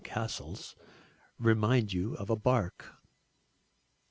Casal's remind you of a bark.